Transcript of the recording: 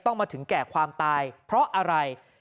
มาถึงแก่ความตายเพราะอะไร